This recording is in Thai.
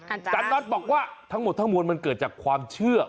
อาจารย์น็อตบอกว่าทั้งหมดทั้งมวลมันเกิดจากความเชื่อ